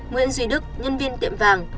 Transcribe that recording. nguyễn duy đức nhân viên tiệm vàng